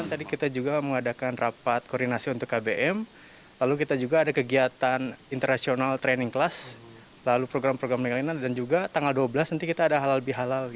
tadi kita juga mengadakan rapat koordinasi untuk kbm lalu kita juga ada kegiatan internasional training class lalu program program lainnya dan juga tanggal dua belas nanti kita ada halal bihalal